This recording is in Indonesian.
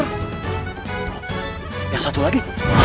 oh yang satu lagi